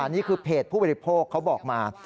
นี่คือเพจผู้บริโภคเขาบอกมา